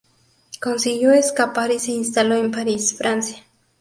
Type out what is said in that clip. Consiguió escapar y se instaló en París, Francia.